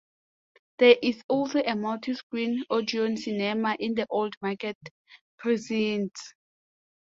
There is also a multi screen Odeon cinema in the Old Market precinct.